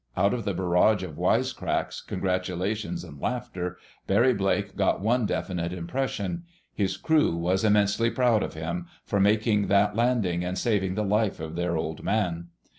Out of the barrage of wisecracks, congratulations and laughter, Barry Blake got one definite impression: his crew was immensely proud of him, for making that landing and saving the life of their Old Man.